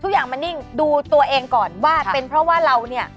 อย่างมันนิ่งดูตัวเองก่อนว่าเป็นเพราะว่าเราเนี่ย